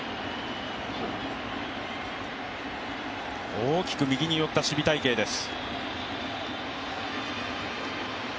大きく右に寄った守備隊形です。